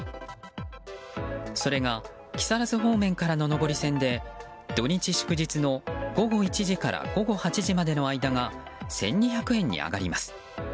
それが木更津方面からの上り線で土日祝日の午後１時から午後８時までの間が１２００円に上がります。